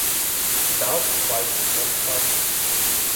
The ballots comply with the specified procedure.